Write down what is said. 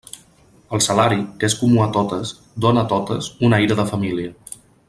El salari, que és comú a totes, dóna a totes un aire de família.